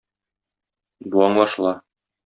Бу аңлашыла.